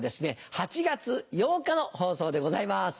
８月８日の放送でございます。